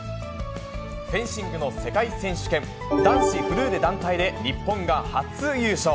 フェンシングの世界選手権、男子フルーレ団体で、日本が初優勝。